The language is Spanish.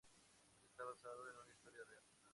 Está basado en una historia real.